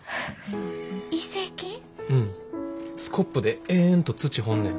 うんスコップで延々と土掘んねん。